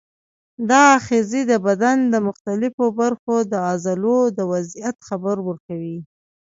دا آخذې د بدن د مختلفو برخو د عضلو د وضعیت خبر ورکوي.